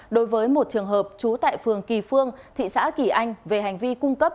đối với một trường hợp trú tại phường kỳ phương thị xã kỳ anh về hành vi cung cấp